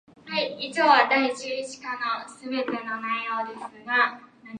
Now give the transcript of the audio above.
夢を共有することで、新しいアイデアが芽生えます